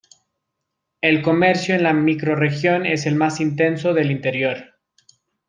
El comercio en la microrregión es el más intenso del interior.